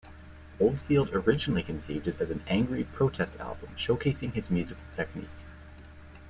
Oldfield originally conceived it as an "angry, protest album", showcasing his musical technique.